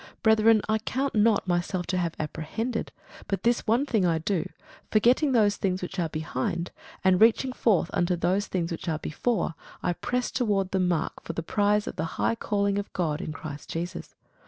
Brethren, I count not myself to have apprehended: but this one thing I do, forgetting those things which are behind, and reaching forth unto those things which are before, I press toward the mark for the prize of the high calling of God in Christ Jesus.